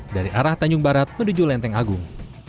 dari arah tanjung barat menuju lenteng agung